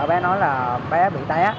bé nói là bé bị té